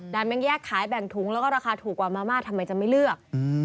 แต่ยังแยกขายแบ่งถุงแล้วก็ราคาถูกกว่ามาม่าทำไมจะไม่เลือก